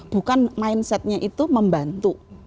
bukan mindsetnya itu membantu